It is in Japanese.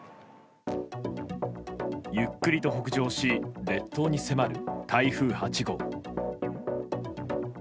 ゆっくりと北上し列島に迫る台風８号。